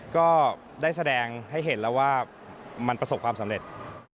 ก็ได้แสดงให้เห็นแล้วว่ามันประสบความสำเร็จ